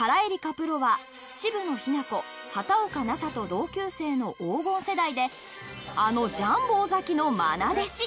プロは渋野日向子畑岡奈紗と同級生の黄金世代であのジャンボ尾崎の愛弟子。